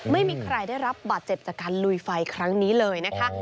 ไม่มีใครได้รับบาดเจ็บจากการลุยไฟครั้งนี้เลยนะคะ